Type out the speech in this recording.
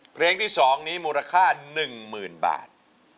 เพลงที่๒นี้มูลค่า๑๐๐๐บาท